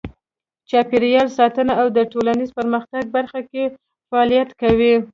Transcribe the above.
چاپیریال ساتنه او د ټولنیز پرمختګ برخه کې فعالیت کوي.